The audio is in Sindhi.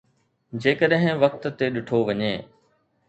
جيڪڏهن وقت تي ڏٺو وڃي